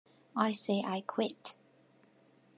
I say I quit.